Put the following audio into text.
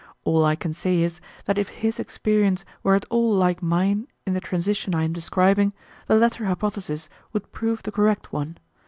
All I can say is, that if his experience were at all like mine in the transition I am describing, the latter hypothesis would prove the correct one.